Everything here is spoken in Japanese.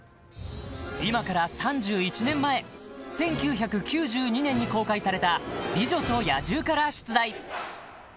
［今から３１年前１９９２年に公開された『美女と野獣』から出題］